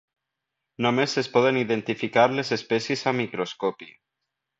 Només es poden identificar les espècies amb microscopi.